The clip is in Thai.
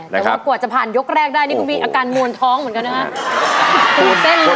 แต่ว่ากว่าจะผ่านยกแรกได้นี่ก็มีอาการหมุนท้องนะครับ